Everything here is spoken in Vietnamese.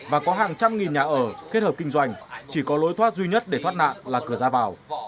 và có hàng trăm nghìn nhà ở kết hợp kinh doanh chỉ có lối thoát duy nhất để thoát nạn là cửa ra vào